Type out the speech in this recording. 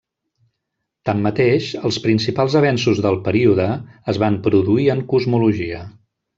Tanmateix, els principals avenços del període es van produir en cosmologia.